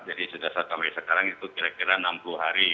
jadi sudah sampai sekarang itu kira kira enam puluh hari ya